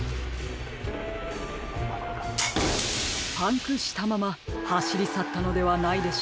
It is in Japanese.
パンクしたままはしりさったのではないでしょうか。